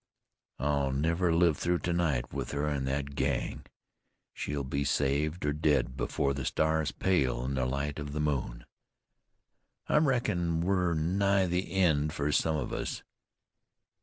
"I'll never live through to night with her in that gang. She'll be saved, or dead, before the stars pale in the light of the moon." "I reckon we're nigh the end for some of us.